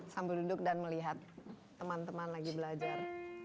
sambil duduk dan melihat teman teman lagi belajar